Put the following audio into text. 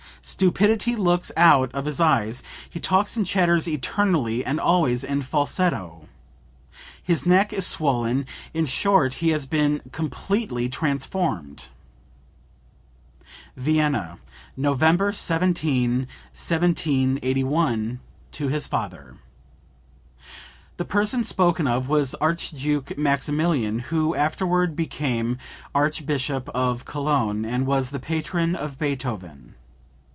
Stupidity looks out of his eyes, he talks and chatters eternally and always in falsetto. His neck is swollen, in short he has been completely transformed." (Vienna, November 17, 1781, to his father. The person spoken of was Archduke Maximilian, who afterward became Archbishop of Cologne, and was the patron of Beethoven.